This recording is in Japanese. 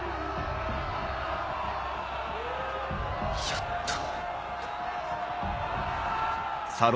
やっと。